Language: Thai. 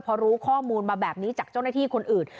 พอรู้ข้อมูลมาแบบนี้จากเจ้าหน้าที่คนอื่น